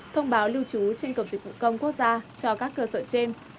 thông báo lưu trú trên cổng dịch vụ công quốc gia cho các cơ sở trên